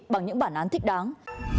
bằng những bản án thích đáng